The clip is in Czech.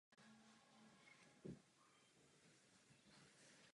Nejvíce se jich nachází v Moskvě a v Petrohradě.